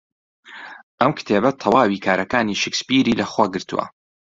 ئەم کتێبە تەواوی کارەکانی شکسپیری لەخۆ گرتووە.